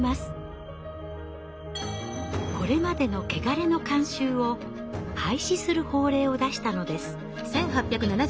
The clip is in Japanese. これまでのケガレの慣習を廃止する法令を出したのです。